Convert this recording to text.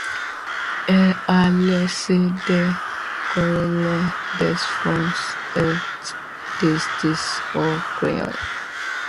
Il a laissé des aquarelles, des fusains et des dessins au crayon.